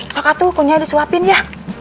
sokatu kunyitnya disuapin ya